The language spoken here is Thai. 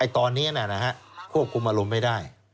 ตอนนี้ควบคุมอารมณ์ไม่ได้